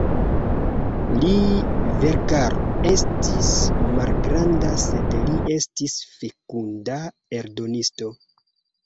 Li verkaro estis malgranda sed li estis fekunda eldonisto.